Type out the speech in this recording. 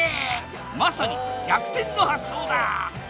まさに逆転の発想だ！